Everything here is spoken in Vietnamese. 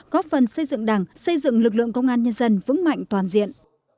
góp phần xây dựng đảng xây dựng lực lượng công an nhân dân vững mạnh toàn diện